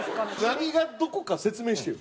何がどこか説明してよ。